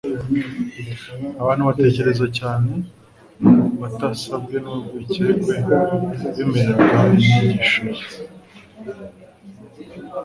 abantu batekereza cyane, batasabwe n'urwikwekwe bemeraga inyigisho ye